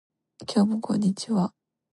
今日もこんにちは